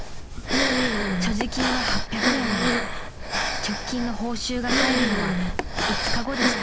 ［所持金は８００円で直近の報酬が入るのは５日後でした］